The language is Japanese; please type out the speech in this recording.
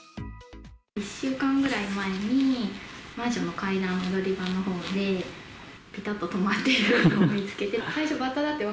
１週間くらい前に、マンションの階段踊り場のほうで、ぴたっと止まっているのを見つけて。